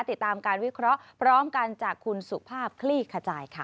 ติดตามการวิเคราะห์พร้อมกันจากคุณสุภาพคลี่ขจายค่ะ